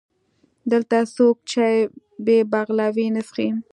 دلته څوک چای بې بغلاوې نه څښي.